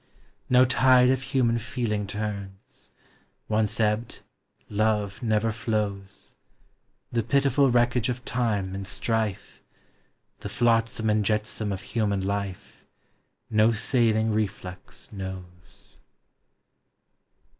No tide of human feeling turns; Once ebbed, love never flows; The pitiful wreckage of time and strife, The flotsam and jetsam of human life, No saving reflux knows.